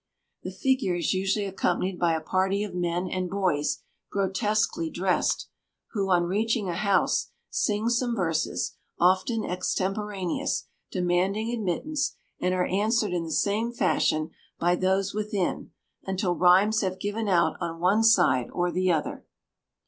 The figure is usually accompanied by a party of men and boys grotesquely dressed, who, on reaching a house, sing some verses, often extemporaneous, demanding admittance, and are answered in the same fashion by those within until rhymes have given out on one side or the other.